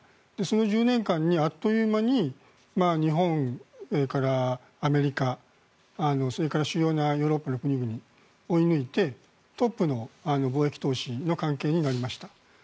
その１０年間にあっという間に日本からアメリカそれから主要なヨーロッパの国々を追い抜いてトップの貿易投資の関係になりました。